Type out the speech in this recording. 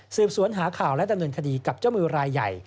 สวนหาข่าวและดำเนินคดีกับเจ้ามือรายใหญ่